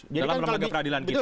dalam lembaga peradilan kita